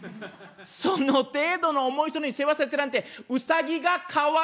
その程度の思いの人に世話されてたなんてウサギがかわいそう」。